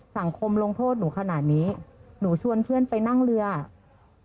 ลงโทษหนูขนาดนี้หนูชวนเพื่อนไปนั่งเรือ